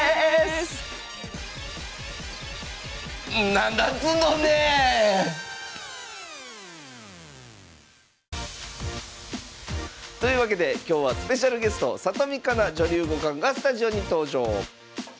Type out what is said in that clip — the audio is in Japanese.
何だっつうのね！というわけで今日はスペシャルゲスト里見香奈女流五冠がスタジオに登場。